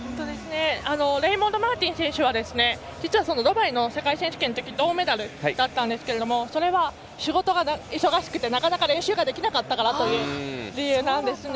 レイモンド・マーティン選手は実はドバイの世界選手権のとき銅メダルだったんですがそれは仕事が忙しくてなかなか練習ができなかったからという理由なんですね。